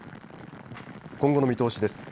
今後の見通しです。